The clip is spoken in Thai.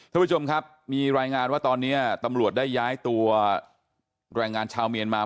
ท่านผู้ชมครับมีรายงานว่าตอนนี้ตำรวจได้ย้ายตัวแรงงานชาวเมียนมา